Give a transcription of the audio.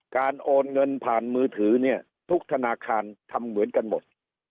โอนเงินผ่านมือถือเนี่ยทุกธนาคารทำเหมือนกันหมด